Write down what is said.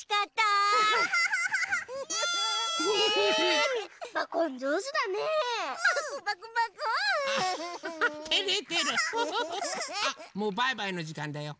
あっもうバイバイのじかんだよ。